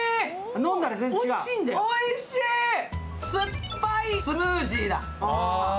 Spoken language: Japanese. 酸っぱいスムージーだ！